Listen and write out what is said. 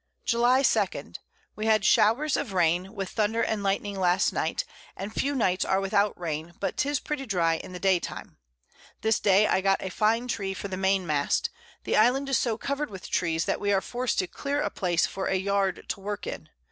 July 2. We had Showers of Rain, with Thunder and Lightning last Night, and few Nights are without Rain, but 'tis pretty dry in the day time. This day I got a fine Tree for the Main mast; the Island is so cover'd with Trees, that we are forced to clear a Place for a Yard to work in.